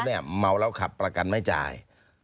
ปกติแล้วเมาแล้วขับประกันไม่จ่าย